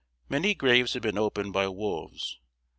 Many graves had been opened by wolves.